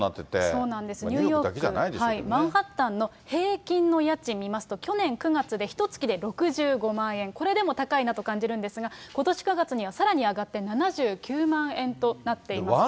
そうなんです、ニューヨーク・マンハッタンの平均の家賃見ますと、去年９月でひとつきで６５万円、これでも高いなと感じるんですが、ことし９月にはさらに上がって７９万円となっています。